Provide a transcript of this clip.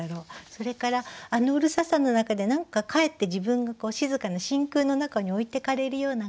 それからあのうるささの中で何かかえって自分が静かな真空の中に置いてかれるような感じ